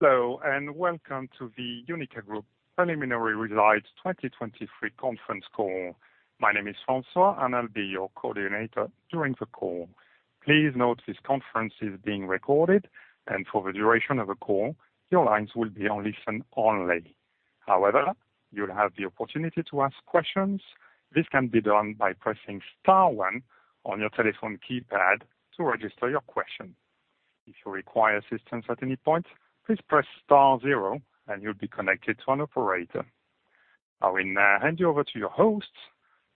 Hello and welcome to the UNIQA Group Preliminary Results 2023 conference call. My name is François and I'll be your coordinator during the call. Please note this conference is being recorded and for the duration of the call your lines will be on listen only. However, you'll have the opportunity to ask questions. This can be done by pressing star one on your telephone keypad to register your question. If you require assistance at any point, please press star one and you'll be connected to an operator. I will now hand you over to your hosts,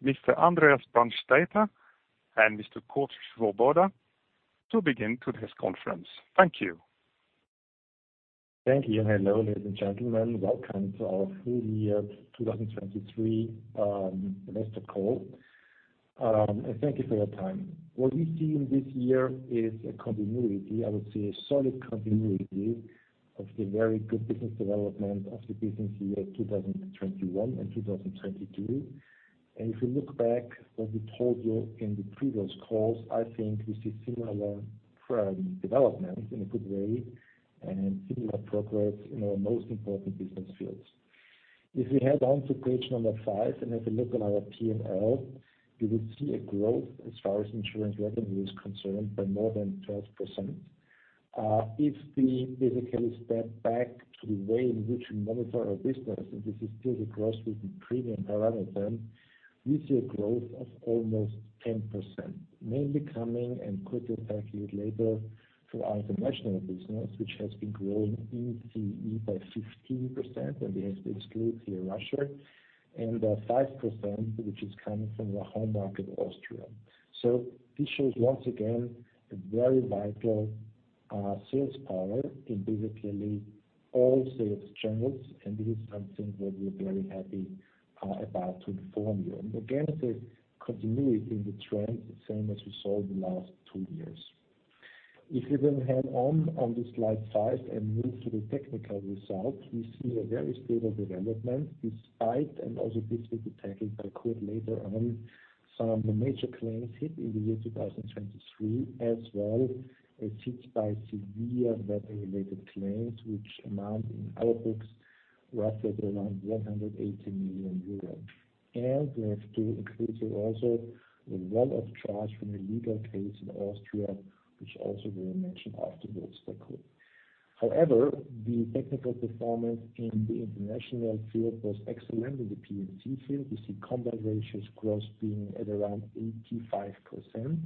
Mr. Andreas Brandstetter and Mr. Kurt Svoboda, to begin today's conference. Thank you. Thank you. Hello, ladies and gentlemen. Welcome to our full year 2023 analyst call. Thank you for your time. What we're seeing this year is a continuity. I would say a solid continuity of the very good business development of the business year 2021 and 2022. If you look back what we told you in the previous calls, I think we see similar developments in a good way and similar progress in our most important business fields. If we head on to page number 5 and have a look at our P&L, you will see a growth as far as insurance revenue is concerned by more than 12%. If we basically step back to the way in which we monitor our business, and this is still the gross revenue premium parameter, we see a growth of almost 10%, mainly coming and quickly tackling it later from our international business, which has been growing in CE by 15%, and we have to exclude here Russia, and 5%, which is coming from the home market, Austria. So this shows once again a very vital sales power in basically all sales channels, and this is something that we're very happy about to inform you. Again, it's a continuity in the trends, same as we saw the last two years. If we then head on to slide 5 and move to the technical result, we see a very stable development despite and also basically tackled by Kurt later on some major claims hit in 2023 as well as hits by severe weather-related claims, which amount in our books roughly at around 180 million euros. We have to include here also the one-off charge from a legal case in Austria, which also we'll mention afterwards by Kurt. However, the technical performance in the international field was excellent in the P&C field. We see combined ratios gross being at around 85%.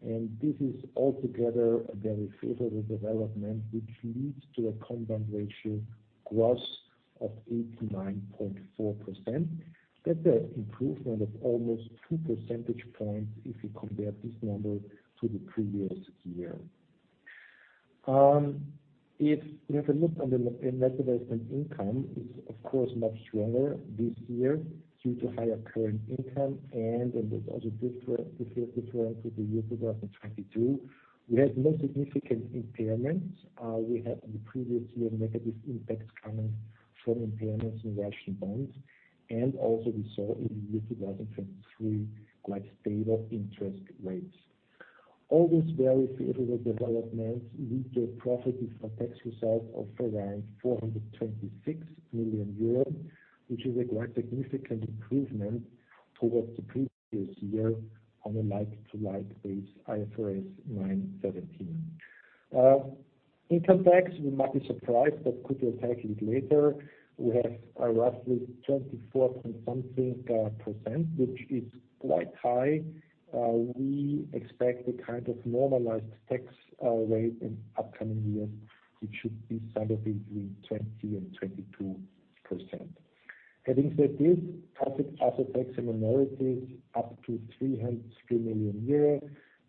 This is altogether a very favorable development, which leads to a combined ratio gross of 89.4%. That's an improvement of almost two percentage points if you compare this number to the previous year. If we have a look on the net investment income, it's, of course, much stronger this year due to higher current income, and it's also different this year is different from the year 2022. We had no significant impairments. We had in the previous year negative impacts coming from impairments in Russian bonds, and also we saw in the year 2023 quite stable interest rates. All these very favorable developments lead to a profit before tax results of around 426 million euros, which is a quite significant improvement towards the previous year on a like-to-like base, IFRS 17. Income tax, we might be surprised, but could be addressed a bit later. We have roughly 24-and-something%, which is quite high. We expect a kind of normalized tax rate in upcoming years, which should be somewhere between 20% and 22%. Having said this, profit after tax and minorities up to 303 million euros.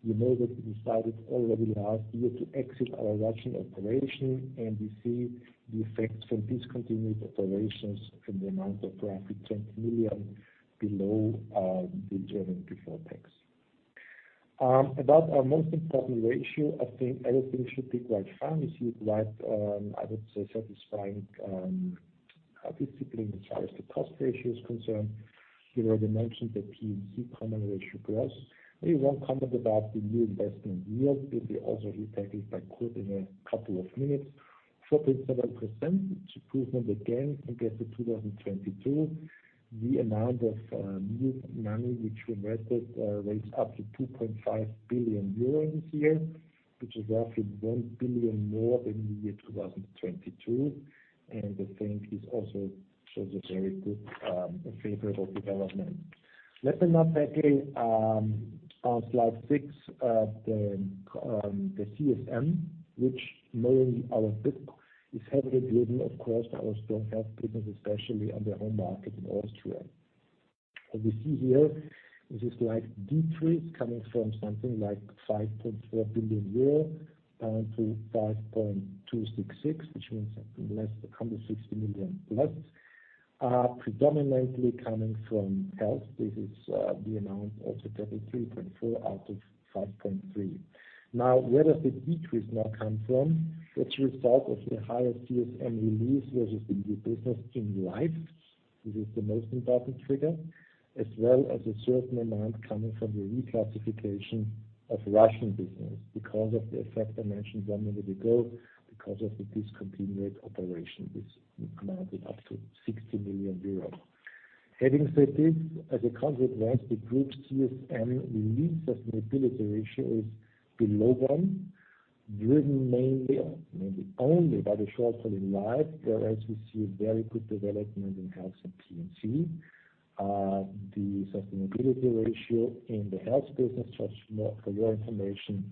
You know that we decided already last year to exit our Russian operation, and we see the effects from discontinued operations and the amount of roughly 20 million below the earnings before tax. About our most important ratio, I think everything should be quite fine. We see quite, I would say, satisfying discipline as far as the cost ratio is concerned. You already mentioned the P&C combined ratio gross. Maybe one comment about the new investment yield, which we also hear tackled by Kurt in a couple of minutes. 4.7%, which is an improvement again compared to 2022. The amount of new money which we invested rates up to 2.5 billion euro this year, which is roughly 1 billion more than in the year 2022. And I think this also shows a very good and favorable development. Let me now tackle on slide 6 the CSM, which mainly our CSM is heavily driven, of course, by our strong health business, especially on the home market in Austria. What we see here is a slight decrease coming from something like 5.4 billion euro down to 5.266, which means less than 160 million+, predominantly coming from health. This is the amount also tackled 3.4 out of 5.3. Now, where does the decrease now come from? It's a result of the higher CSM release versus the new business in life. This is the most important trigger, as well as a certain amount coming from the reclassification of Russian business because of the effect I mentioned one minute ago because of the discontinued operation, this amounted up to 60 million euros. Having said this, as a consequence, the group CSM release sustainability ratio is below 1, driven mainly or mainly only by the shortfall in life, whereas we see a very good development in health and P&C. The sustainability ratio in the health business, just for your information,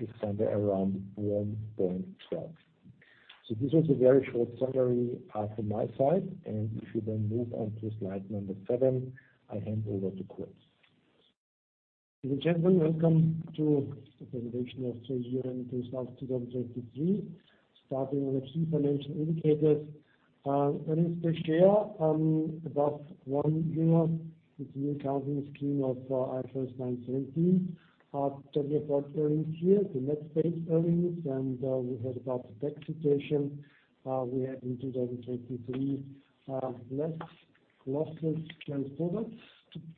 is somewhere around 1.12. So this was a very short summary from my side. And if you then move on to slide number 7, I hand over to Kurt. Ladies and gentlemen, welcome to the presentation of third quarter in 2023, starting with the key financial indicators. That is the share above 1 with the new accounting scheme of IFRS 17, talking about earnings here, the net base earnings, and we had about the tax situation. We had in 2023 less losses carried forward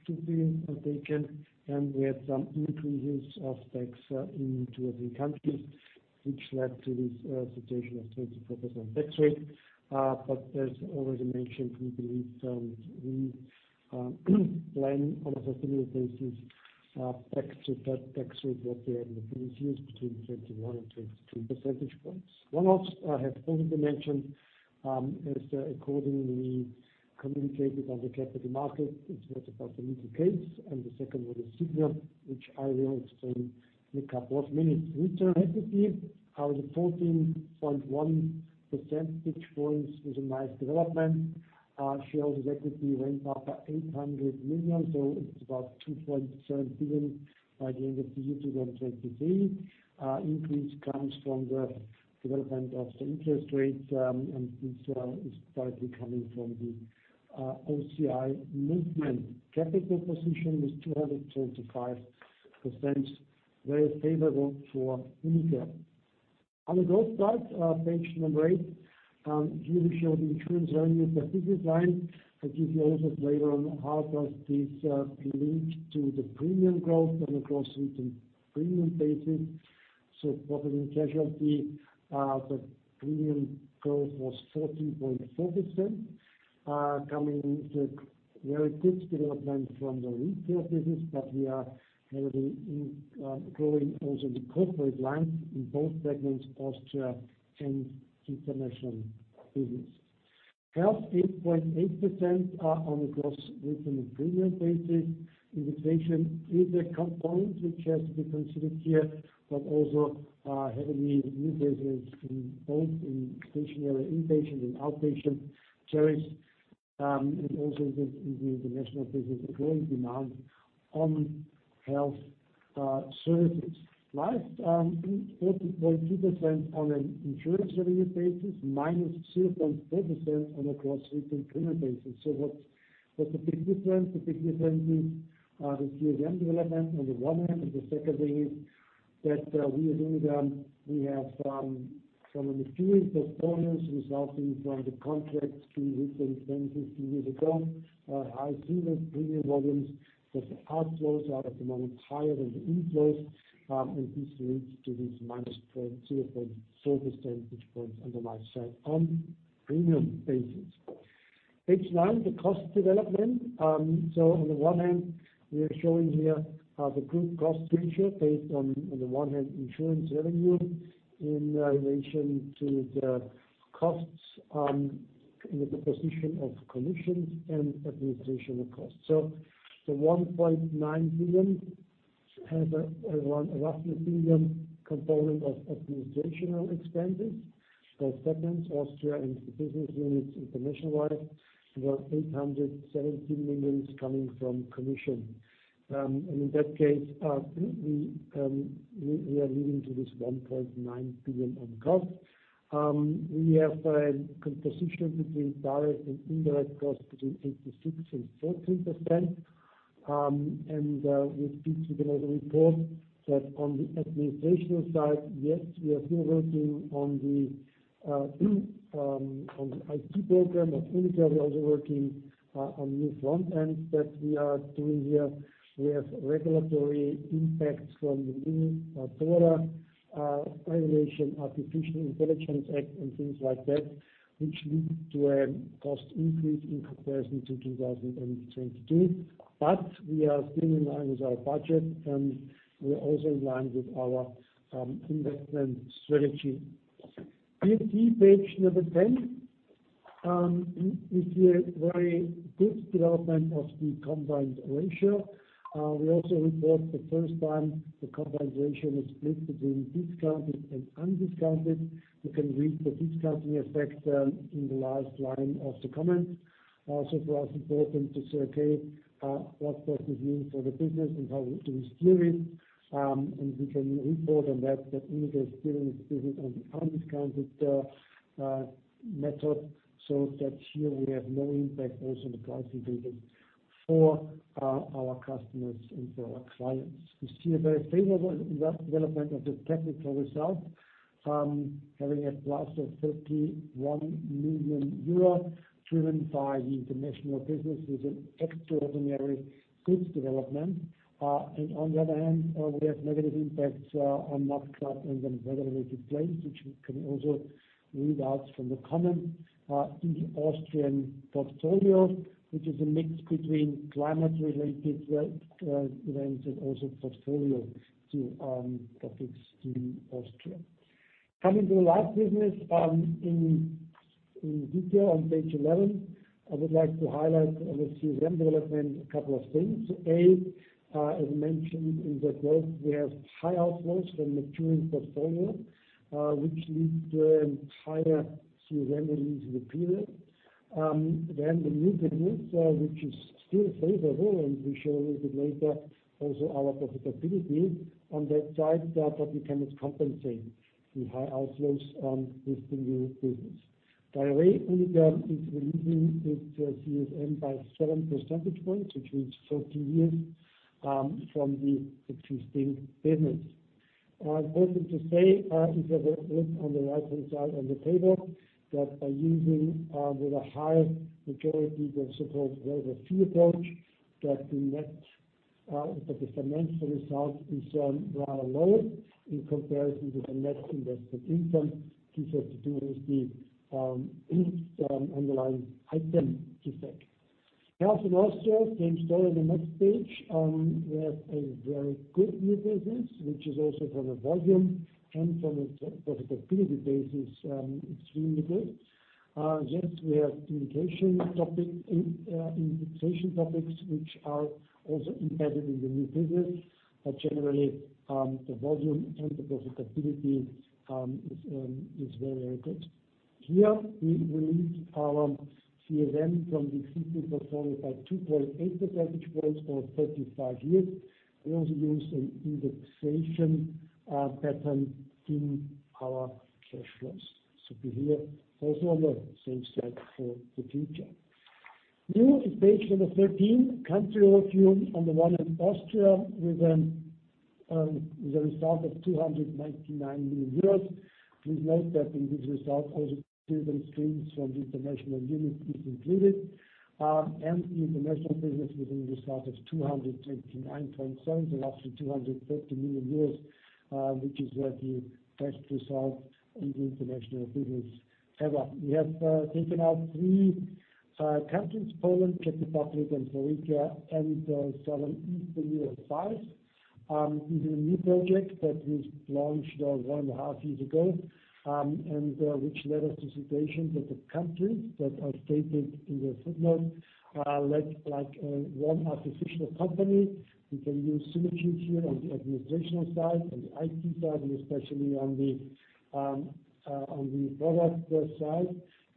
to be taken, and we had some increases of tax in two or three countries, which led to this situation of 24% tax rate. But as already mentioned, we believe we plan on a sustainable basis back to that tax rate what we had in the previous years between 21%-22% percentage points. One also I have already mentioned is accordingly communicated on the capital market. It's what about the legal case, and the second one is Signa, which I will explain in a couple of minutes. Return on equity, our 14.1 percentage points was a nice development. Shareholders' equity went up by 800 million, so it's about 2.7 billion by the end of the year 2023. Increase comes from the development of the interest rates, and this is partly coming from the OCI movement. Capital position was 225%, very favorable for UNIQA. On the growth side, page number 8, here we show the insurance revenue per business line. I give you also flavor on how does this link to the premium growth on a gross written premium basis. So property and casualty, the premium growth was 14.4%, coming into a very good development from the retail business, but we are heavily growing also in the corporate lines in both segments, Austria and international business. Health, 8.8% on a gross written premium basis. Indexation is a component which has to be considered here, but also heavily new business in both in stationary, inpatient, and outpatient carriers, and also in the international business, a growing demand on health services. Life, 14.2% on an insurance revenue basis, minus 0.4% on a gross written premium basis. So what's the big difference? The big difference is the CSM development on the one hand, and the second thing is that we really have from an accruing portfolios resulting from the contracts being written 10, 15 years ago, high single premium volumes, but the outflows are at the moment higher than the inflows, and this leads to these minus 0.4 percentage points on the life side on premium basis. Page nine, the cost development. So on the one hand, we are showing here the group cost ratio based on the one hand insurance revenue in relation to the costs in the composition of commissions and administration costs. So the 1.9 billion has a roughly 1 billion component of administration expenses. Both segments, Austria and the business units internationalized, about 817 million coming from commission. And in that case, we are leading to this 1.9 billion on cost. We have a composition between direct and indirect costs between 86%-14%. And we speak to them as a report that on the administration side, yes, we are still working on the IT program of UNIQA. We're also working on new front ends that we are doing here. We have regulatory impacts from the new DORA regulation, Artificial Intelligence Act, and things like that, which lead to a cost increase in comparison to 2022. But we are still in line with our budget, and we're also in line with our investment strategy. P&C, page 10, we see a very good development of the combined ratio. We also report for the first time the combined ratio was split between discounted and undiscounted. You can read the discounting effect in the last line of the comments. So for us, important to say, "Okay, what does this mean for the business, and how do we steer it?" And we can report on that that UNIQA is steering its business on the undiscounted method so that here we have no impact also on the pricing figures for our customers and for our clients. We see a very favorable development of the technical result, having a plus of 31 million euros driven by the international business with an extraordinary goods development. And on the other hand, we have negative impacts from NatCat and then weather-related claims, which we can also read out from the comments in the Austrian portfolio, which is a mix between climate-related events and also portfolio-specific topics in Austria. Coming to the life business in detail on page 11, I would like to highlight on the CSM development a couple of things. A, as I mentioned in the growth, we have high outflows from maturing portfolio, which leads to an entire CSM release in the period. Then the new business, which is still favorable, and we show a little bit later also our profitability on that side, but we cannot compensate the high outflows with the new business. By the way, UNIQA is releasing its CSM by 7 percentage points, which means 14 years from the existing business. Important to say is that we have a look on the right-hand side on the table that by using with a high majority of the so-called Variable Fee Approach, the net financial result is rather low in comparison to the net investment income. This has to do with the underlying item effect. Health in Austria, same story on the next page. We have a very good new business, which is also from a volume and from a profitability basis extremely good. Yes, we have indication topics, indexation topics, which are also embedded in the new business, but generally, the volume and the profitability is very, very good. Here, we released our CSM from the existing portfolio by 2.8 percentage points or 35 years. We also used an indexation pattern in our cash flows. So see here also on the same slide for the future. Now is page number 13, country overview on the one hand, Austria with a result of 299 million euros. Please note that in this result, also standalone results from the international unit are included, and the international business with a result of 229.7, so roughly 230 million, which is the best result in the international business ever. We have taken out three countries: Poland, Czech Republic, and Slovakia, and Southeastern Europe, SEE. This is a new project that we launched one and a half years ago, and which led us to the situation that the countries that are stated in the footnote act like one artificial company. We can use synergies here on the administration side, on the IT side, and especially on the product side.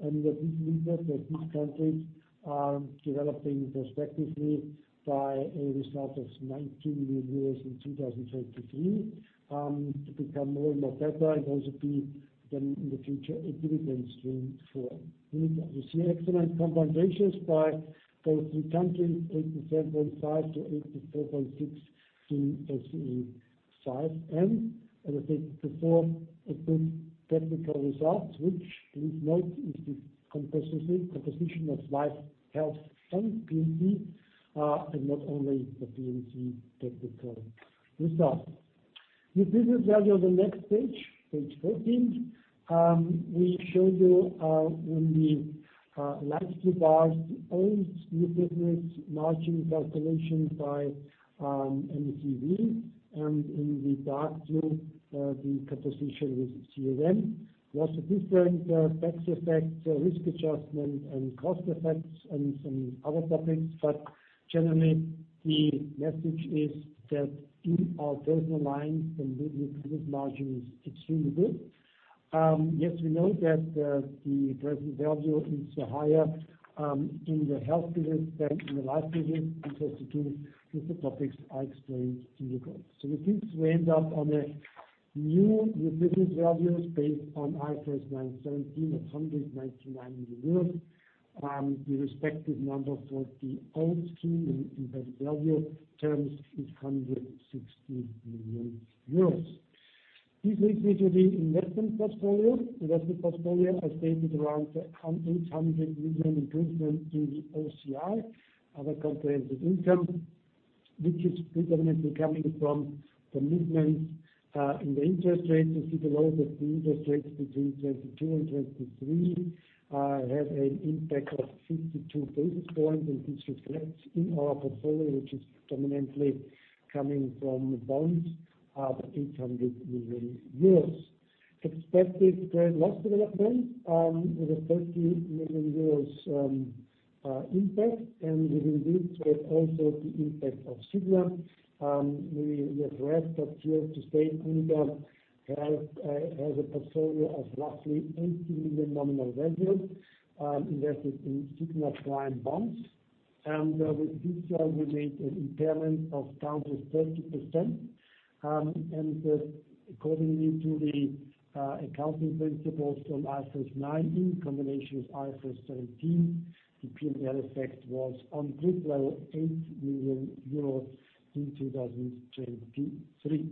And what this leads to is that these countries are developing prospectively by a result of 19 million in 2023 to become more and more better and also be then in the future a dividend stream for UNIQA. You see excellent combined ratios by those three countries, 87.5%-84.6% in SEE 5. And as I stated before, a good technical result, which please note is the composition of life health and P&C, and not only the P&C technical result. New business value on the next page, page 14. We show you in the light blue bars the old new business margin calculation by MCEV, and in the dark blue, the composition with CSM. Lots of different tax effects, risk adjustment, and cost effects, and some other topics, but generally, the message is that in our personal lines, the new business margin is extremely good. Yes, we know that the present value is higher in the health business than in the life business because of the two different topics I explained in the growth. So with this, we end up on a new business value based on IFRS 17 of 199 million. The respective number for the old scheme in embedded value terms is 160 million euros. This leads me to the investment portfolio. Investment portfolio, I stated around 800 million improvement in the OCI, other comprehensive income, which is predominantly coming from the movements in the interest rates. You see below that the interest rates between 2022 and 2023 had an impact of 52 basis points, and this reflects in our portfolio, which is predominantly coming from bonds of 800 million euros. Expected gross loss development with a 30 million euros impact, and within this, we have also the impact of Signa. We are here to state UNIQA has a portfolio of roughly 80 million nominal value invested in Signa Prime bonds. With this, we made an impairment down to 30%. Accordingly to the accounting principles from IFRS 9 in combination with IFRS 17, the P&L effect was on gross level 8 million euros in 2023.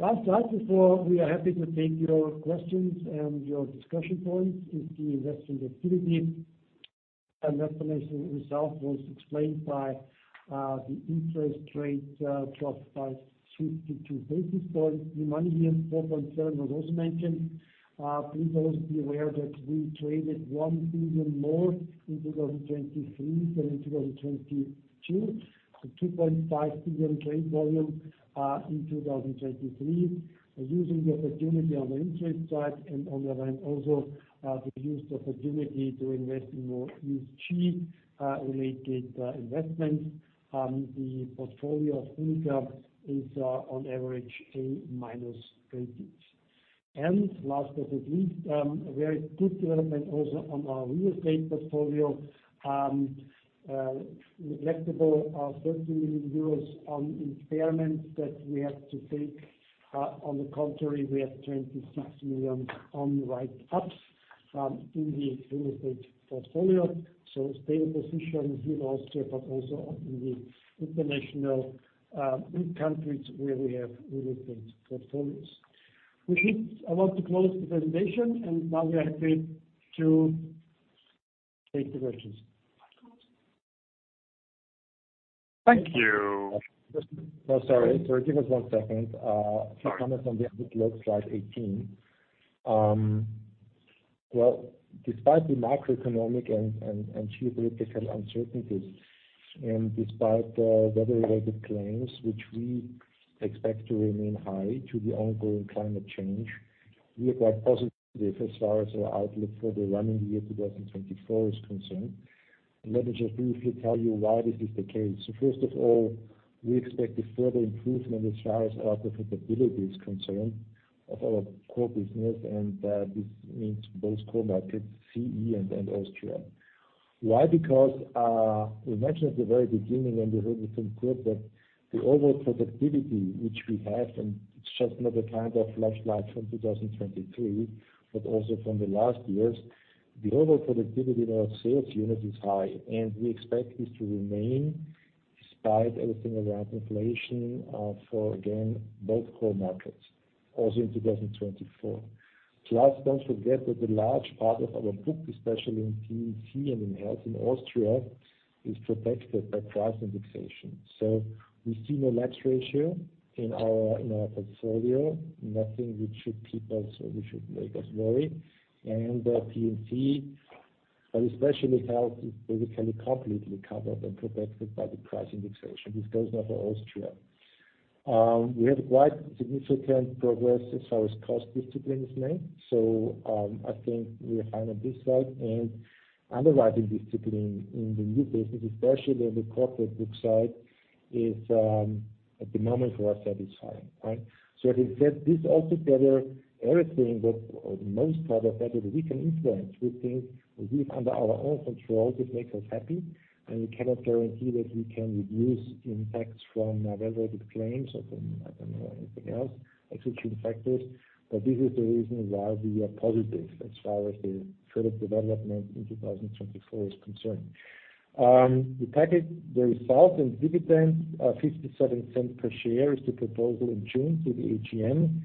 Last slide before, we are happy to take your questions and your discussion points. If the investment activity and estimation result was explained by the interest rate drop by 52 basis points, new money here, 4.7 was also mentioned. Please also be aware that we traded 1 billion more in 2023 than in 2022, so 2.5 billion trade volume in 2023. Using the opportunity on the interest side and on the other hand, also the used opportunity to invest in more ESG-related investments, the portfolio of UNIQA is on average A minus rated. Last but not least, a very good development also on our real estate portfolio. Negligible are EUR 30 million on impairments that we have to take. On the contrary, we have 26 million on write-ups in the real estate portfolio. Stable position here in Austria, but also in the international countries where we have real estate portfolios. With this, I want to close the presentation, and now we are happy to take the questions. Thank you. Oh, sorry. Sorry, give us one second. A few comments on the outlook slide 18. Well, despite the macroeconomic and geopolitical uncertainties and despite the weather-related claims, which we expect to remain high due to the ongoing climate change, we are quite positive as far as our outlook for the running year 2024 is concerned. Let me just briefly tell you why this is the case. So first of all, we expect a further improvement as far as our profitability is concerned of our core business, and this means both core markets, CE and Austria. Why? Because we mentioned at the very beginning, and you heard it from Kurt, that the overall productivity, which we have, and it's just not a kind of flash in the pan from 2023, but also from the last years, the overall productivity in our sales unit is high, and we expect this to remain despite everything around inflation for, again, both core markets, also in 2024. Plus, don't forget that a large part of our book, especially in P&C and in health in Austria, is protected by price indexation. So we see no lapse ratio in our portfolio, nothing which should keep us or which should make us worry. And P&C, but especially health, is basically completely covered and protected by the price indexation. This goes now for Austria. We have quite significant progress as far as cost discipline is made. So I think we are fine on this side, and underwriting discipline in the new business, especially on the corporate book side, is at the moment for us satisfying, right? So as I said, this all together, everything or the most part of that that we can influence, we think we leave under our own control. This makes us happy, and we cannot guarantee that we can reduce impacts from weather-related claims or from, I don't know, anything else, executing factors. But this is the reason why we are positive as far as the further development in 2024 is concerned. The package, the result, and dividend, 0.57 per share, is the proposal in June to the AGM.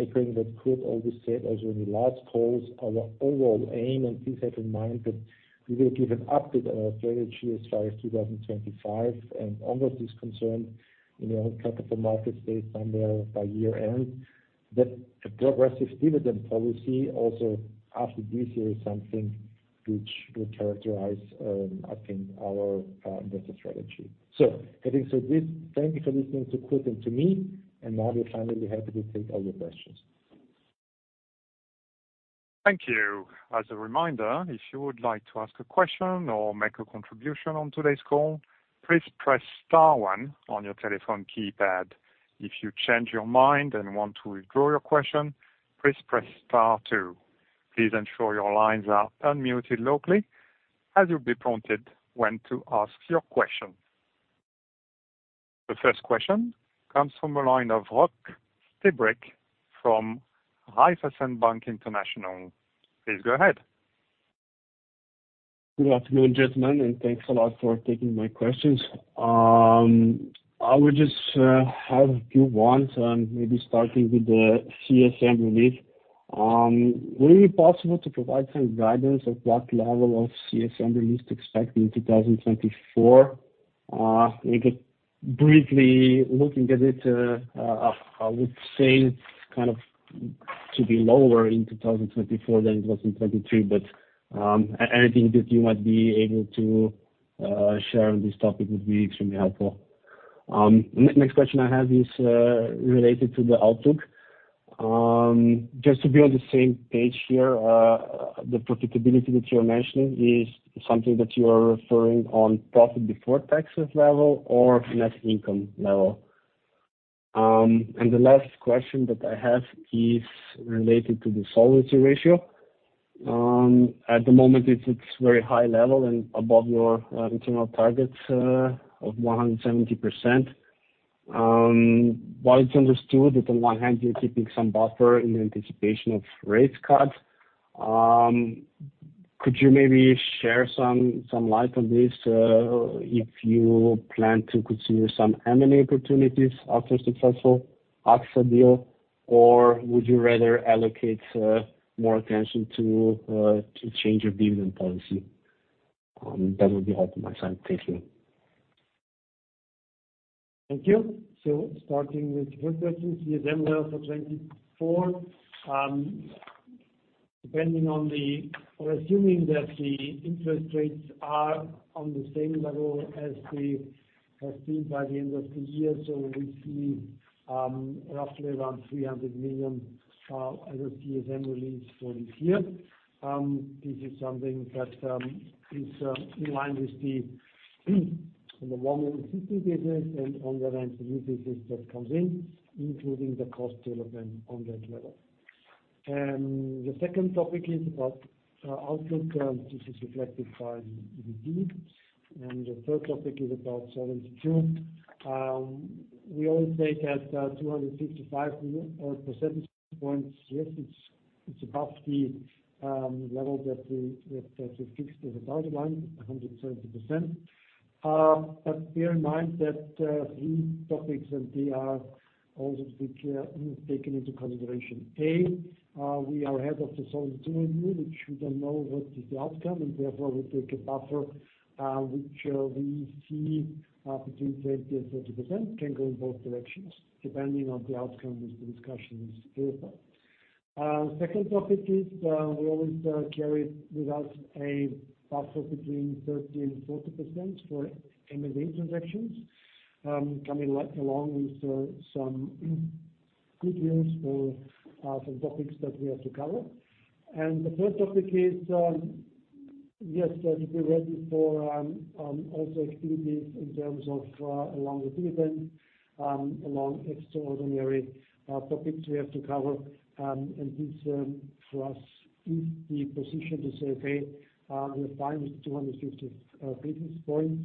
According to what Kurt always said also in the last calls, our overall aim, and please have in mind that we will give an update on our strategy as far as 2025 and all that is concerned in the own capital markets days somewhere by year-end, that a progressive dividend policy also after this year is something which would characterize, I think, our investor strategy. So having said this, thank you for listening to Kurt and to me. And now we are finally happy to take all your questions. Thank you. As a reminder, if you would like to ask a question or make a contribution on today's call, please press star one on your telephone keypad. If you change your mind and want to withdraw your question, please press star two. Please ensure your lines are unmuted locally as you'll be prompted when to ask your question. The first question comes from a line of Rok Stibric from Raiffeisen Bank International. Please go ahead. Good afternoon, gentlemen, and thanks a lot for taking my questions. I would just have a few ones, maybe starting with the CSM release. Would it be possible to provide some guidance of what level of CSM release to expect in 2024? Maybe briefly looking at it, I would say it's kind of to be lower in 2024 than it was in 2023, but anything that you might be able to share on this topic would be extremely helpful. Next question I have is related to the outlook. Just to be on the same page here, the profitability that you're mentioning is something that you are referring on profit before taxes level or net income level? And the last question that I have is related to the solvency ratio. At the moment, it's very high level and above your internal targets of 170%. While it's understood that on one hand, you're keeping some buffer in anticipation of rate cuts, could you maybe share some light on this if you plan to consider some M&A opportunities after a successful AXA deal, or would you rather allocate more attention to change your dividend policy? That would be helpful on my side. Thank you. Thank you. So starting with the first question, CSM level for 2024, depending on, we're assuming that the interest rates are on the same level as we have seen by the end of the year. So we see roughly around 300 million as a CSM release for this year. This is something that is in line with the on the one-year existing business and on the other hand, the new business that comes in, including the cost development on that level. The second topic is about outlook. This is reflected by the EBT. The third topic is about Solvency II. We always say that 255 percentage points, yes, it's above the level that we fixed as a target line, 170%. But bear in mind that three topics, and they are also to be taken into consideration. A, we are ahead of the solvency review, which we don't know what is the outcome, and therefore we take a buffer which we see between 20%-30% can go in both directions depending on the outcome which the discussion is here for. Second topic is we always carry with us a buffer between 30%-40% for M&A transactions coming along with some good news or some topics that we have to cover. And the third topic is, yes, to be ready for also activities in terms of along the dividend, along extraordinary topics we have to cover. And this for us is the position to say, "Okay, we are fine with 250 basis points,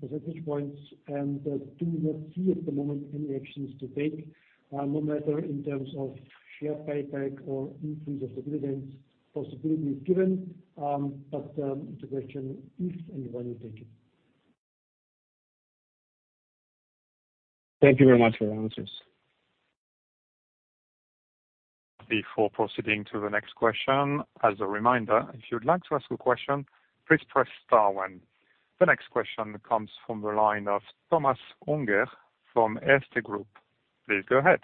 percentage points, and do not see at the moment any actions to take no matter in terms of share payback or increase of the dividends." Possibility is given, but it's a question if and when you take it. Thank you very much for your answers. Before proceeding to the next question, as a reminder, if you'd like to ask a question, please press star one. The next question comes from the line of Thomas Unger from Erste Group. Please go ahead.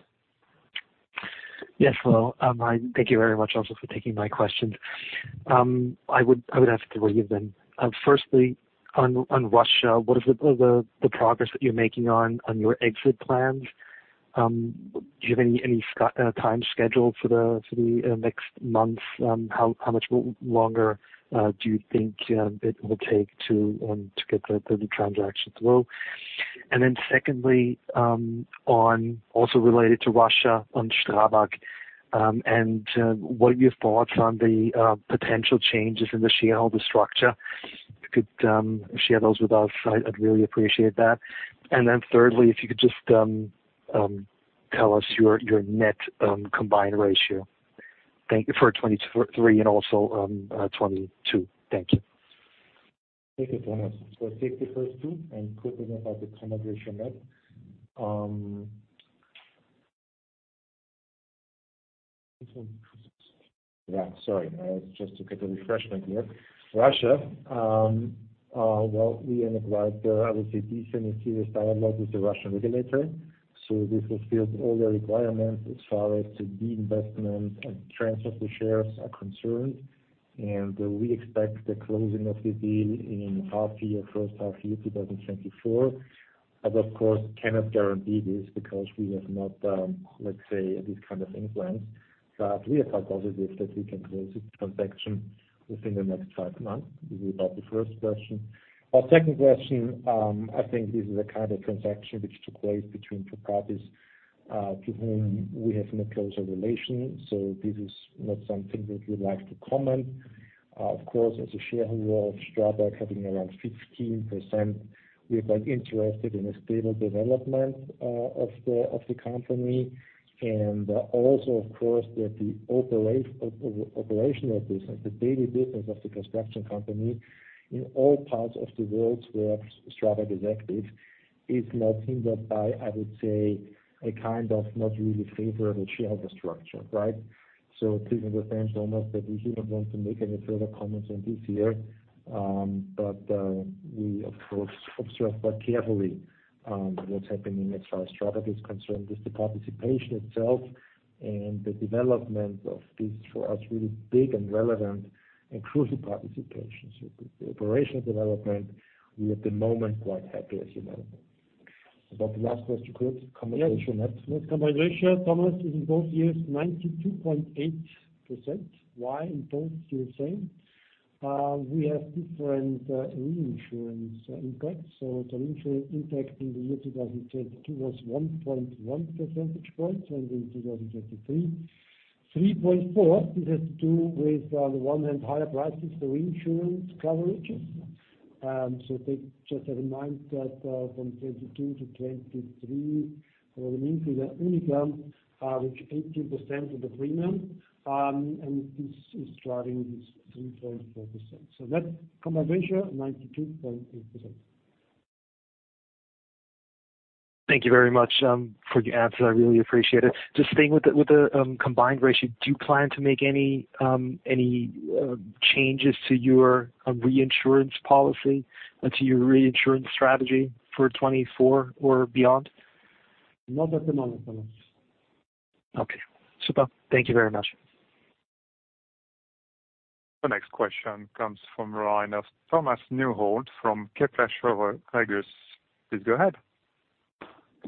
Yes. Well, thank you very much also for taking my questions. I would have two or three of them. Firstly, on Russia, what is the progress that you're making on your exit plans? Do you have any time scheduled for the next months? How much longer do you think it will take to get the new transactions through? And then secondly, also related to Russia, on Strabag, and what are your thoughts on the potential changes in the shareholder structure? If you could share those with us, I'd really appreciate that. And then thirdly, if you could just tell us your net combined ratio for 2023 and also 2022. Thank you. Thank you, Thomas. For 2023, 2022, and Kurt is about the combined ratio net. Yeah. Sorry. I was just to get a refreshment here. Russia, well, we are in a quite, I would say, decent and serious dialogue with the Russian regulator. So we fulfilled all their requirements as far as the divestment and transfer of the shares are concerned. We expect the closing of the deal in the first half of 2024. But of course, we cannot guarantee this because we have not, let's say, this kind of influence. But we are quite positive that we can close the transaction within the next five months. This is about the first question. Our second question, I think this is a kind of transaction which took place between two parties to whom we have no closer relation. So this is not something that we'd like to comment. Of course, as a shareholder of Strabag, having around 15%, we are quite interested in a stable development of the company. Also, of course, that the operational business, the daily business of the construction company in all parts of the world where Strabag is active is not hindered by, I would say, a kind of not really favorable shareholder structure, right? So please understand, Thomas, that we do not want to make any further comments on this year. But we, of course, observe quite carefully what's happening as far as Strabag is concerned. It's the participation itself and the development of this for us really big and relevant and crucial participation. So the operational development, we are at the moment quite happy as you know. About the last question, Kurt, combined net. Net combined ratio, Thomas, is in both years 92.8%. Why in both, you're saying? We have different reinsurance impacts. So the reinsurance impact in the year 2022 was 1.1 percentage points and in 2023, 3.4. This has to do with, on the one hand, higher prices for reinsurance coverages. So take just have in mind that from 2022 to 2023, there was an increase at UNIQA, which 18% of the premium. And this is driving this 3.4%. So net combined ratio, 92.8%. Thank you very much for your answer. I really appreciate it. Just staying with the combined ratio, do you plan to make any changes to your reinsurance policy, to your reinsurance strategy for 2024 or beyond? Not at the moment, Thomas. Okay. Super. Thank you very much. The next question comes from the line of Thomas Neuhold from Kepler Cheuvreux. Please go ahead.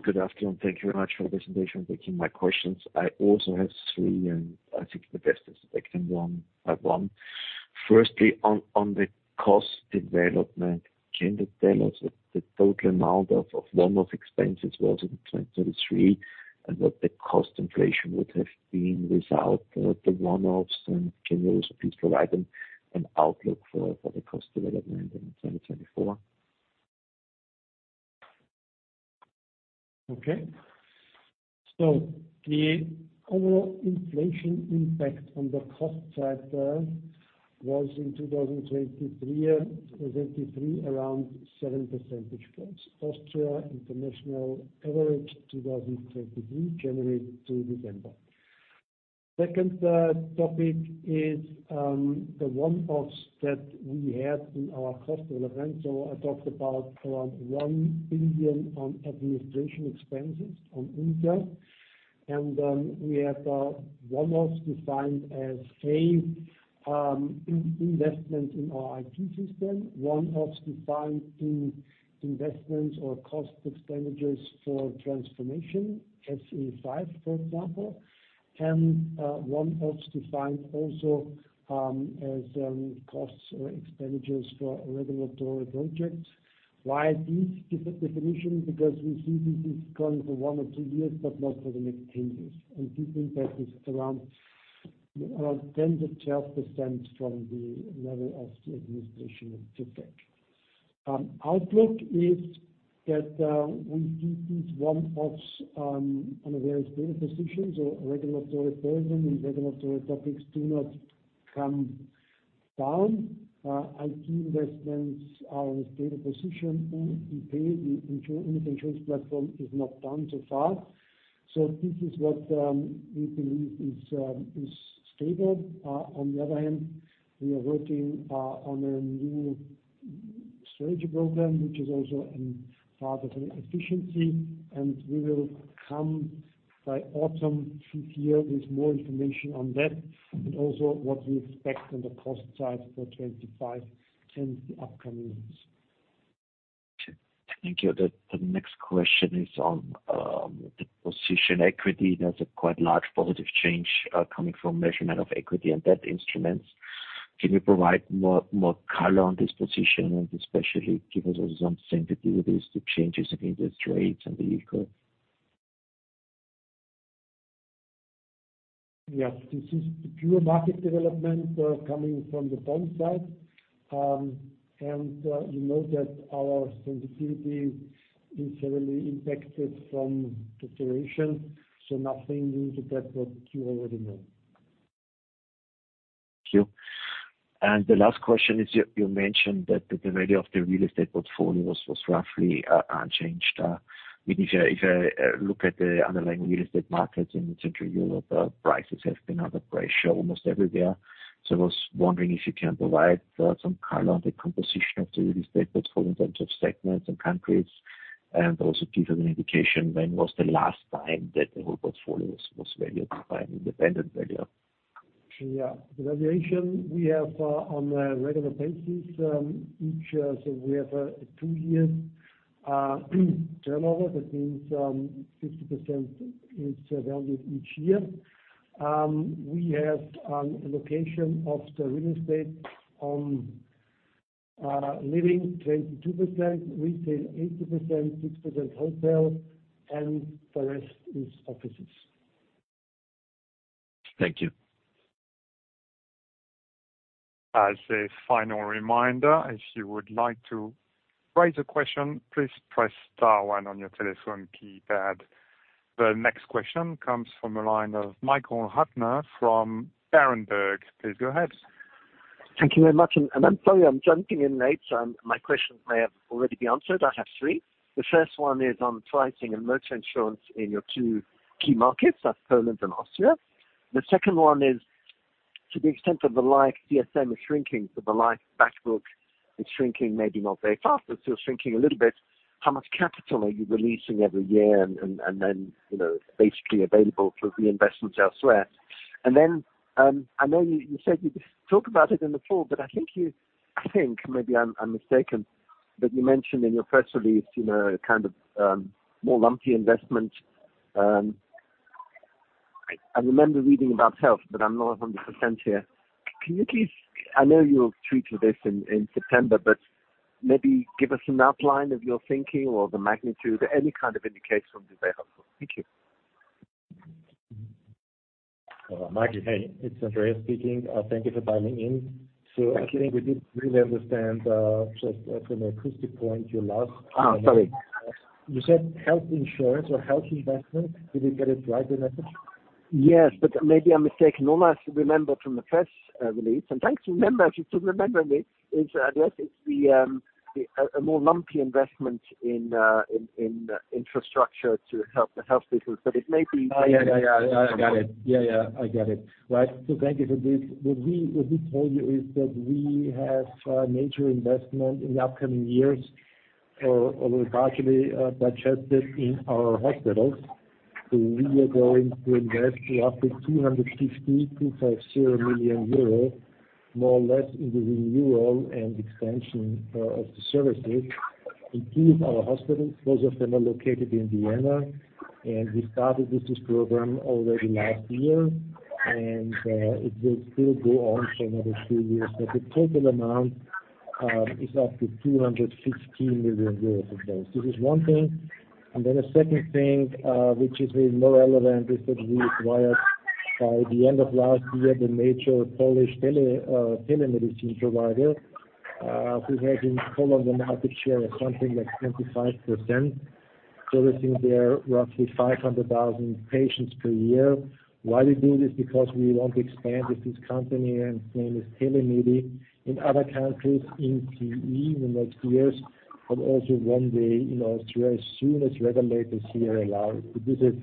Good afternoon. Thank you very much for your presentation and taking my questions. I also have three, and I think the best is to take them one by one. Firstly, on the cost development, can you tell us what the total amount of one-off expenses was in 2023 and what the cost inflation would have been without the one-offs? And can you also please provide an outlook for the cost development in 2024? Okay. So the overall inflation impact on the cost side was in 2023 around 7 percentage points, Austrian international average 2023, January to December. Second topic is the one-offs that we had in our cost development. So I talked about around 1 billion on administration expenses on UNIQA. And we have one-offs defined as A, investments in our IT system, one-offs defined in investments or cost expenditures for transformation, SEE 5, for example, and one-offs defined also as costs or expenditures for regulatory projects. Why this definition? Because we see this is going for one or two years, but not for the next 10 years. This impact is around 10%-12% from the level of the administration effect. Outlook is that we see these one-offs on a very stable position. A regulatory person and regulatory topics do not come down. IT investments are on a stable position. UNIQA, the insurance platform, is not down so far. This is what we believe is stable. On the other hand, we are working on a new strategy program, which is also part of an efficiency. And we will come by autumn this year with more information on that and also what we expect on the cost side for 2025 and the upcoming years. Okay. Thank you. The next question is on the position equity. There's a quite large positive change coming from measurement of equity and debt instruments. Can you provide more color on this position and especially give us also some sensitivities to changes in interest rates and the yield curve? Yes. This is the pure market development coming from the bond side. And you know that our sensitivity is heavily impacted from the duration. So nothing new to that but you already know. Thank you. And the last question is you mentioned that the value of the real estate portfolio was roughly unchanged. I mean, if I look at the underlying real estate markets in Central Europe, prices have been under pressure almost everywhere. So I was wondering if you can provide some color on the composition of the real estate portfolio in terms of segments and countries and also give us an indication when was the last time that the whole portfolio was valued by an independent valuer. Yeah. The valuation, we have on a regular basis. So we have a two-year turnover. That means 50% is valued each year. We have allocation of the real estate on living, 22%, retail, 80%, 6% hotel, and the rest is offices. Thank you. As a final reminder, if you would like to raise a question, please press star one on your telephone keypad. The next question comes from the line of Michael Huttner from Berenberg. Please go ahead. Thank you very much. And I'm sorry I'm jumping in late. My questions may have already been answered. I have three. The first one is on pricing and motor insurance in your two key markets, that's Poland and Austria. The second one is to the extent of the like, CSM is shrinking, so the like backbook is shrinking, maybe not very fast. It's still shrinking a little bit. How much capital are you releasing every year and then basically available for reinvestments elsewhere? And then I know you said you talked about it in the fall, but I think you I think, maybe I'm mistaken, that you mentioned in your first release a kind of more lumpy investment. I remember reading about health, but I'm not 100% here. Can you please, I know you'll get to this in September, but maybe give us an outline of your thinking or the magnitude, any kind of indication on the value of health. Thank you. Mike, hey. It's Andreas speaking. Thank you for dialing in. So I think we didn't really understand just from an acoustic point your last. Oh, sorry. You said health insurance or health investments. Did we get it right, the message? Yes, but maybe I'm mistaken. Thomas, remember from the press release and thanks to remember if you still remember me, Andreas. It's a more lumpy investment in infrastructure to help the health business. But it may be maybe. Oh, yeah, yeah, yeah. I got it. Yeah, yeah. I got it. Right. So thank you for this. What we told you is that we have major investment in the upcoming years or largely budgeted in our hospitals. So we are going to invest roughly 250 million euros, more or less, in the renewal and expansion of the services in two of our hospitals. Both of them are located in Vienna. And we started this program already last year. And it will still go on for another few years. But the total amount is up to 215 million euros of those. This is one thing. And then a second thing, which is maybe more relevant, is that we acquired by the end of last year the major Polish telemedicine provider who has in Poland a market share of something like 25%, servicing there roughly 500,000 patients per year. Why we do this? Because we want to expand with this company, and its name is Telemedi, in other countries in CE in the next years, but also one day in Austria as soon as regulators here allow it. So this is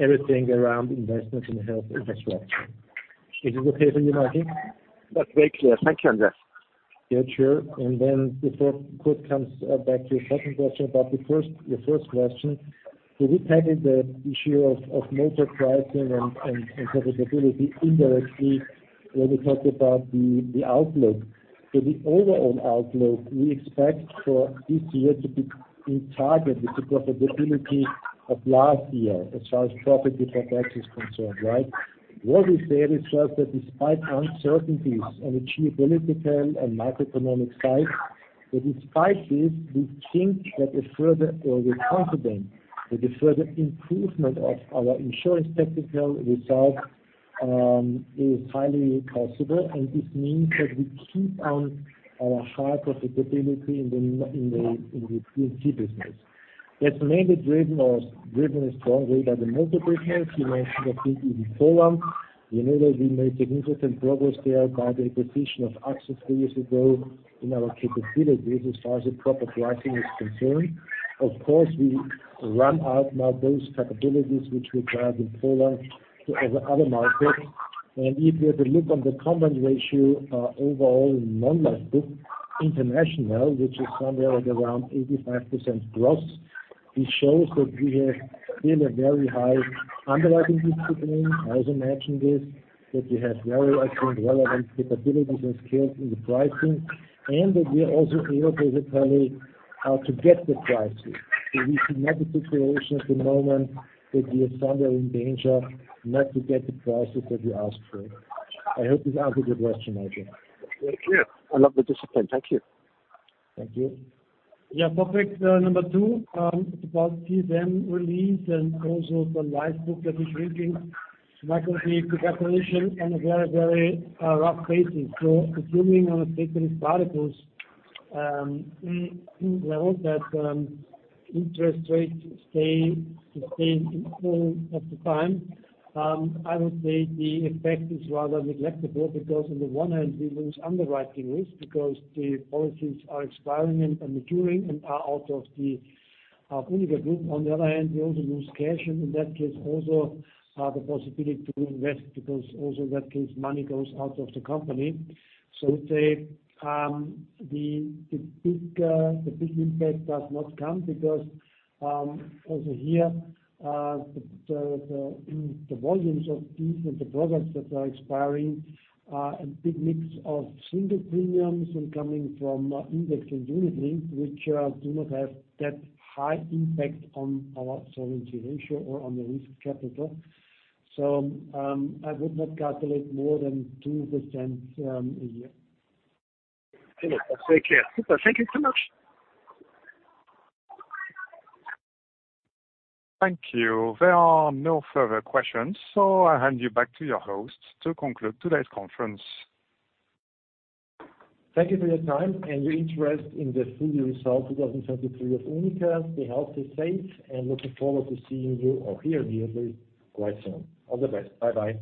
everything around investment in health infrastructure. Is this okay for you, Mikey? That's very clear. Thank you, Andreas. Yeah, sure. And then before Kurt comes back to your second question about the first your first question, did we tackle the issue of motor pricing and profitability indirectly when we talked about the outlook? So the overall outlook, we expect for this year to be in target with the profitability of last year as far as profit before tax is concerned, right? What we said is just that despite uncertainties on the geopolitical and macroeconomic side, that despite this, we think that a further or we're confident that a further improvement of our insurance technical result is highly possible. And this means that we keep on our high profitability in the P&C business. That's mainly driven or driven in a strong way by the motor business. You mentioned, I think, even Poland. You know that we made significant progress there by the acquisition of AXA three years ago in our capabilities as far as the proper pricing is concerned. Of course, we run out now those capabilities which we acquired in Poland to other markets. If you have a look on the Combined Ratio overall in non-life book international, which is somewhere at around 85% gross, this shows that we have still a very high underwriting discipline. I also mentioned this, that we have, I think, relevant capabilities and skills in the pricing and that we are also able to tell you how to get the prices. So we see not a situation at the moment that we are somewhere in danger not to get the prices that we asked for. I hope this answered your question, Mike. Yeah. I love the discipline. Thank you. Thank you. Yeah. Topic number two, it's about CSM release and also the life book that is shrinking. Michael, the calculation on a very, very rough basis. So assuming on a safe reciprocal levels that interest rates stay flat over the time, I would say the effect is rather negligible because on the one hand, we lose underwriting risk because the policies are expiring and maturing and are out of the UNIQA Group. On the other hand, we also lose cash and in that case, also the possibility to invest because also in that case, money goes out of the company. So I would say the big impact does not come because also here, the volumes of these and the products that are expiring are a big mix of single premiums and coming from index and unit-linked, which do not have that high impact on our solvency ratio or on the risk capital. So I would not calculate more than 2% a year. Okay. That's very clear. Super. Thank you so much. Thank you. There are no further questions. So I hand you back to your host to conclude today's conference. Thank you for your time and your interest in the full results 2023 of UNIQA. Stay healthy, safe, and looking forward to seeing you or hearing you at least quite soon. All the best. Bye-bye.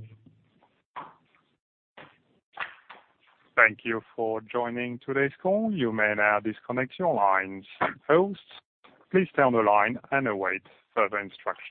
Thank you for joining today's call. You may now disconnect your lines. Hosts, please stay on the line and await further instructions.